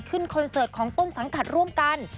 คอนเสิร์ตของต้นสังกัดร่วมกัน